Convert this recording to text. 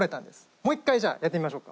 もう１回じゃあやってみましょうか。